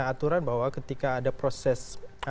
aturan bahwa ketika ada proses